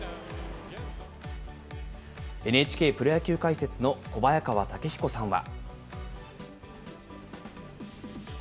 ＮＨＫプロ野球解説の小早川毅彦さんは。